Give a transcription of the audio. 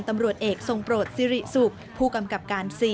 ตำรวจเอกทรงโปรดสิริสุกผู้กำกับการ๔